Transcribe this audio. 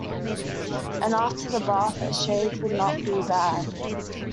And after the bath a shave would not be bad.